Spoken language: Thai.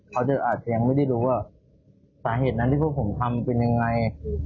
อาจจะยังไม่ได้รู้ว่าสาเหตุนั้นที่พวกผมทำเป็นยังไง